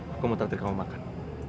aku mau taktik kamu makan